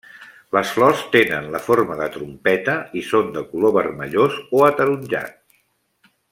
Les flors tenen la forma de trompeta i són de color vermellós o ataronjat.